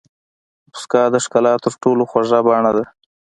موسکا د ښکلا تر ټولو خوږه بڼه ده.